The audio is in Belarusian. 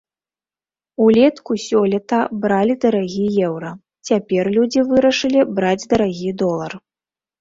Улетку сёлета бралі дарагі еўра, цяпер людзі вырашылі браць дарагі долар.